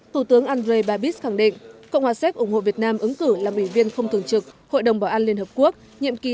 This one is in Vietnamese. thủ tướng andrei babis khẳng định cộng hòa séc ủng hộ việt nam ứng cử làm ủy viên không thường trực hội đồng bảo an liên hợp quốc nhiệm kỳ hai nghìn hai mươi hai nghìn hai mươi một